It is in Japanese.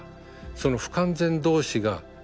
その不完全同士が。